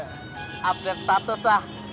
update status lah